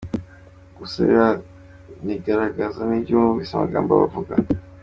Gusa biranigaragaza n’iyo wumvise amagambo aba avuga.